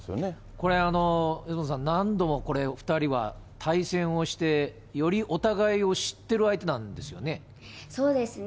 これ、四元さん、何度もこれ、２人は対戦をして、よりお互いを知ってる相手なんですよね。